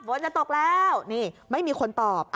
ฝนจะตกแล้วนี่ไม่มีคนตอบ